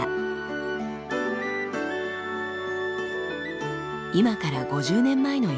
今から５０年前の様子。